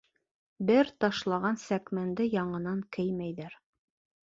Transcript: Бер ташлаған сәкмәнде яңынан кеймәйҙәр.